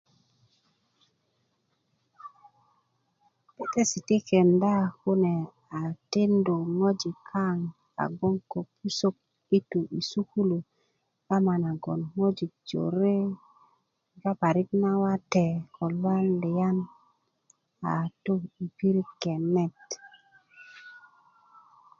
duté ti kenda kune a tindu ŋojik kaá i goŋ ko pusok i tó sukulu ama nagoŋ ŋojik jore kegá parik nawate ko luwaliyan a tó pirit kenet